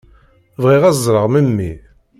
Bɣiɣ ad ẓreɣ memmi.